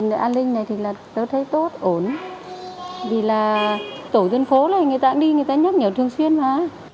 an ninh này thì là tôi thấy tốt ổn vì là tổ dân phố này người ta cũng đi người ta nhắc nhở thường xuyên mà